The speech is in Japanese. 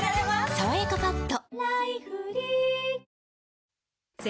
「さわやかパッド」